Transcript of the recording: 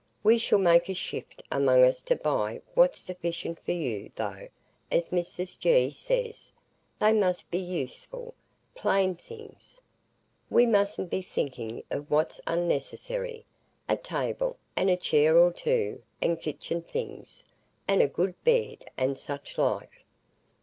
We shall make a shift among us to buy what's sufficient for you; though, as Mrs G. says, they must be useful, plain things. We mustn't be thinking o' what's unnecessary. A table, and a chair or two, and kitchen things, and a good bed, and such like.